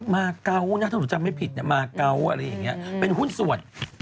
มาเกาะอะไรอย่างนี้เป็นหุ้นสวด